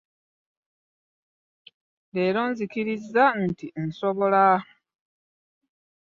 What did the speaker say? Leero nzikiriza nti onsobola.